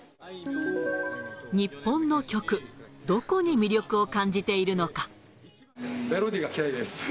日本の曲、どこに魅力を感じメロディーがきれいです。